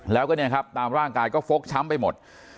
แล้วก็เนี่ยครับตามร่างกายก็ฟกช้ำไปหมด